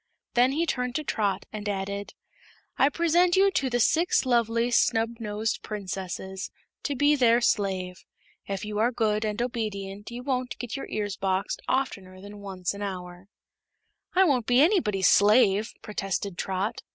Then he turned to Trot and added: "I present you to the Six Lovely Snubnosed Princesses, to be their slave. If you are good and obedient you won't get your ears boxed oftener than once an hour." "I won't be anybody's slave," protested Trot.